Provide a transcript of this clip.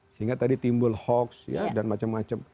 sehingga tadi timbul hoax dan macam macam